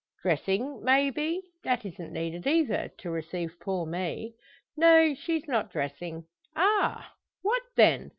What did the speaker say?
"Dressing, may be? That isn't needed either to receive poor me." "No; she's not dressing." "Ah! What then?